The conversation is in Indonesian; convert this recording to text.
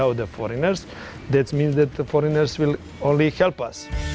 itu berarti pelatih pelatih hanya akan membantu kita